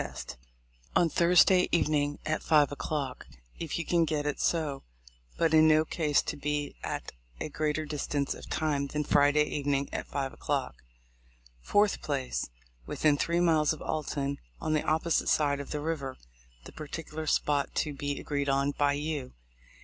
Time:— On Thursday evening at five o'clock, if you can get it so; but in no case to be at a greater distance of time than Friday evening at 5 o'clock. 4th. Place :— Within three miles of Alton, on the opposite side of the river, the particular spot to be agreed on by you.